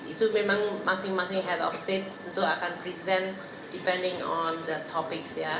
itu memang masing masing head of state tentu akan present depening on the topic ya